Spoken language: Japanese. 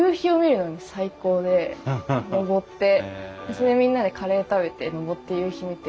それでみんなでカレー食べて登って夕日見て。